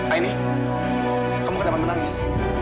aini kamu kenapa menangis